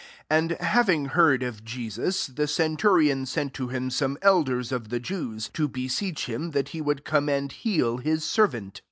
3 And having heard of Jesus, the cen turion sent to him some elders of the Jews, to beseech him that he would come and heal his servant.